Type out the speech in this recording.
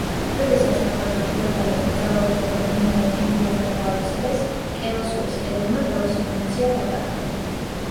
როდესაც აფხაზმა ფეოდალებმა ძალაუფლება მდინარე ენგურამდე გაავრცელეს, კელასურის კედელმა თავისი ფუნქცია დაკარგა.